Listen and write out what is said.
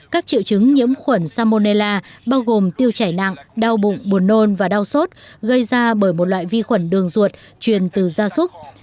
các triệu chứng nhiễm khuẩn salmonella bao gồm tiêu chảy nặng đau bụng buồn nôn và đau sốt gây ra bởi một loại vi khuẩn đường ruột truyền từ gia súc